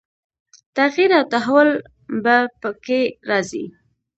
تغییر او تحول به په کې راځي.